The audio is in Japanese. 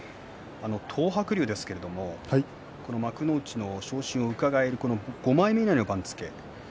東白龍ですけれど幕内の昇進がうかがえる５枚目以内の番付。